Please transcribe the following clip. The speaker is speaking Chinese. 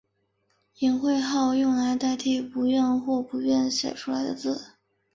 隐讳号用来代替不愿或不便写出来的字。